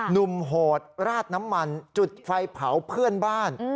โหดราดน้ำมันจุดไฟเผาเพื่อนบ้าน